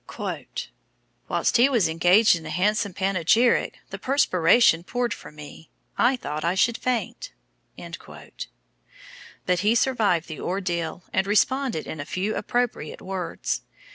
"Whilst he was engaged in a handsome panegyric, the perspiration poured from me. I thought I should faint." But he survived the ordeal and responded in a few appropriate words.